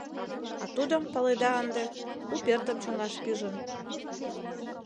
А тудо, паледа ынде, у пӧртым чоҥаш пижын.